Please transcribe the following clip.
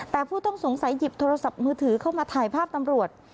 แต่ผู้ต้องสงสัยหยิบโทรศัพท์มือถือเข้ามาถ่ายภาพตำรวจ